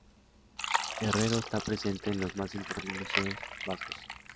Herrero está presente en los más importantes museos vascos.